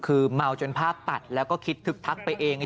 คือเมาจนภาพตัดแล้วก็คิดทึกทักไปเอง